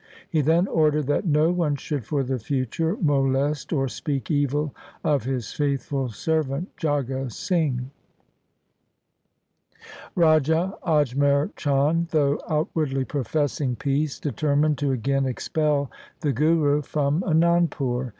He then ordered that no one should for the future molest or speak evil of his faithful servant Jagga Singh. Raja Ajmer Chand, though outwardly professing LIFE OF GURU GOBIND SINGH 145 peace, determined to again expel the Guru from Anandpur.